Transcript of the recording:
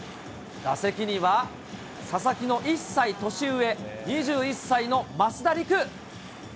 打席には、佐々木の１歳年上、２１歳の増田陸。